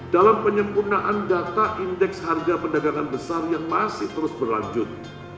dalam penyempurnaan data indeks harga perdagangan besar yang masih terus berlanjut